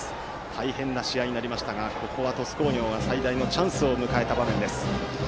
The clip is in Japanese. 大変な試合になりましたがここは鳥栖工業が最大のチャンスを迎えた場面。